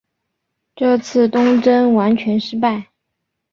这次东征完全失败。